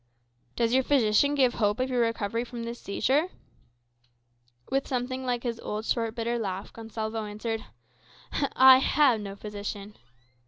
"Does your physician give hope of your recovery from this seizure?" With something like his old short, bitter laugh, Gonsalvo answered "I have no physician."